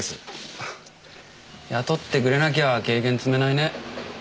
あ雇ってくれなきゃ経験積めないね。